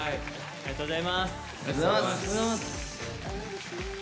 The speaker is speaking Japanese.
ありがとうございます。